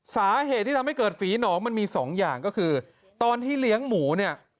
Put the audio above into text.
สาเหตุที่ทำให้เกิดฝีหนองมันมีสองอย่างก็คือตอนที่เลี้ยงหมูเนี่ย